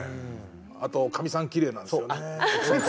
あとかみさんキレイなんですよね。